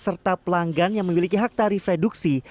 serta pelanggan yang memiliki hak tarif reduksi